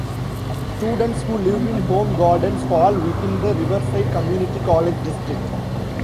Students who live in Home Gardens fall within the Riverside Community College District.